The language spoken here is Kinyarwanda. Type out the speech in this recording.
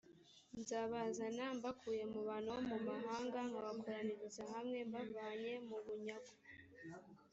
nzabazana mbakuye mu bantu bo mu mahanga nkabakoranyiriza hamwe mbavanye mu bunyago